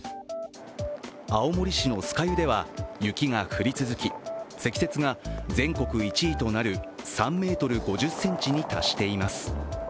青森市の酸ヶ湯では、雪が降り続き積雪が全国１位となる３ｍ５０ｃｍに達しています。